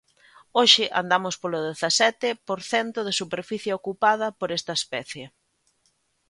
Hoxe andamos polo dezasete por cento de superficie ocupada por esta especie.